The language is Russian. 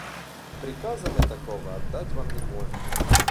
Приказа мы такого отдать Вам не можем.